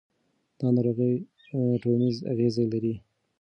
دا ناروغي ټولنیز اغېز لري.